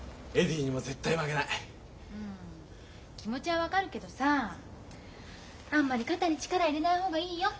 うん気持ちは分かるけどさあんまり肩に力入れない方がいいよ。